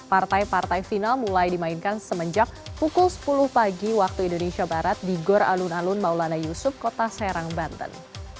partai partai final mulai dimainkan semenjak pukul sepuluh pagi waktu indonesia barat di gor alun alun maulana yusuf kota serang banten